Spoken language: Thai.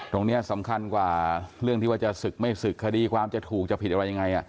ตรงนี้สำคัญกว่าเรื่องที่ว่าจะศึกไม่ศึกคดีความจะถูกจะผิดอะไรยังไง